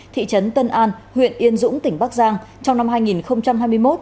thị trấn tân an huyện yên dũng tỉnh bắc giang trong năm hai nghìn hai mươi một